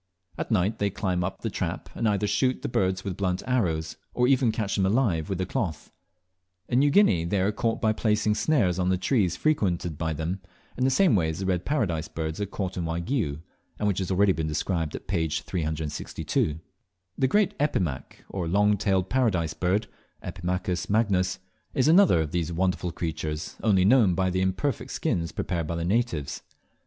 At night they climb up the trap, and either shoot the birds with blunt arrows, or even catch them alive with a cloth. In New Guinea they are caught by placing snares on the trees frequented by them, in the same way as the Red Paradise birds are caught in Waigiou, and which has already been described at page 362. The great Epimaque, or Long tailed Paradise Bird (Epimachus magnus), is another of these wonderful creatures, only known by the imperfect skins prepared by the natives.